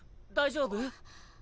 大丈夫？